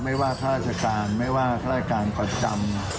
ไม่ว่าข้าราชการไม่ว่าข้าราชการประจำ